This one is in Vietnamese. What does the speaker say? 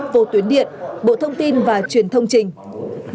vô tuyến điện bộ thông tin và truyền thông trình